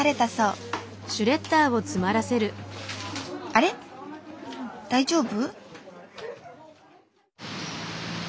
あれ大丈夫？